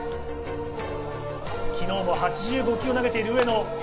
昨日も８５球を投げている上野。